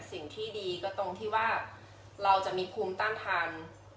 สิ่งที่ดีก็ตรงที่ว่าเราจะมีภูมิต้านทาน